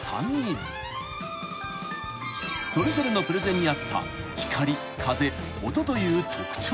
［それぞれのプレゼンにあった光風音という特徴］